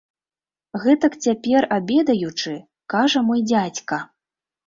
Гэтак, цяпер абедаючы, кажа мой дзядзька.